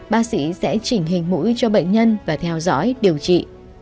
bác sĩ sẽ chỉnh hình mũi cho bệnh nhân và theo dõi điều trị